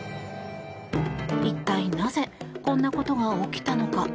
一体なぜこんなことが起きたのか？